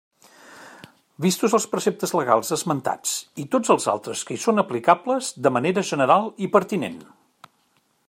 Vistos els preceptes legals esmentats i tots els altres que hi són aplicables de manera general i pertinent.